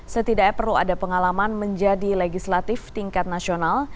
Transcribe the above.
setidaknya perlu ada pengalaman menjadi legislatif tingkat nasional